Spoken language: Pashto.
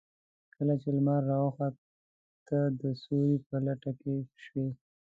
کله چې لمر راوخت تۀ د سيوري په لټه کې شوې.